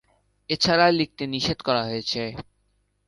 এছাড়া লিখতে নিষেধ করা হয়েছে।